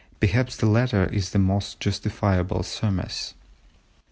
Perhaps the latter is the most justifiable surmise.